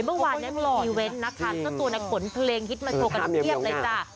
เมื่อวานนี้มีอีเวนต์นะคะเจ้าตัวเนี่ยขนเพลงฮิตมาโชว์กันเพียบเลยจ้ะ